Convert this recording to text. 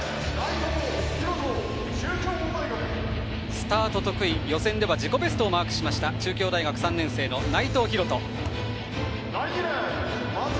スタート得意予選では自己ベストをマークした中京大学３年生の内藤大翔。